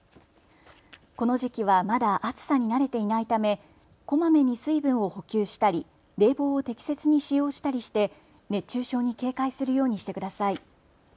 この時期はまだ暑さに慣れていないため、こまめに水分を補給したり冷房を適切に使用したりして熱中症に警戒するようにしてください。